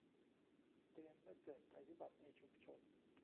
เตือนเมื่อเกิดภัยพิบัติในชุมชน